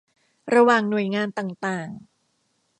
ระหว่างหน่วยงานต่างต่าง